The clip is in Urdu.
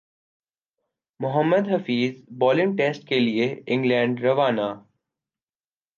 محمد حفیظ بالنگ ٹیسٹ کیلئے انگلینڈ روانہ